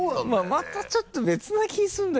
またちょっと別な気がするんだけどな。